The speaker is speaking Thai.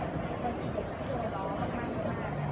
มันเป็นสิ่งที่จะให้ทุกคนรู้สึกว่า